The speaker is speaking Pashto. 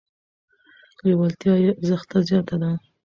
لیوالتیا یې زښته زیاته ده.